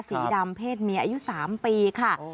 สีดำเพศเมียอายุ๓ปีค่ะ